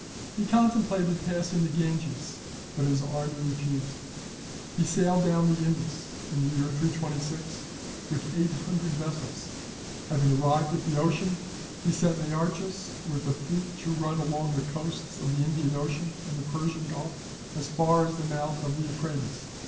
He contemplated passing the Ganges, but his army refused. He sailed down the Indus, in the year 326, with eight hundred vessels; having arrived at the ocean, he sent Nearchus with a fleet to run along the coasts of the Indian Ocean and the Persian Gulf, as far as the mouth of the Euphrates.